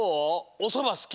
おそばすき？